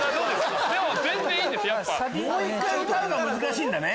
もう１回歌うのが難しいんだね。